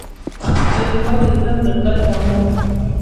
زه یوازې ځم د خدای په امان.